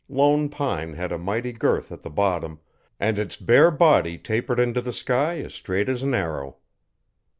Lone Pine had a mighty girth at the bottom, and its bare body tapered into the sky as straight as an arrow.